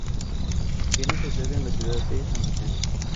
Tiene su sede en la ciudad de San Vicente.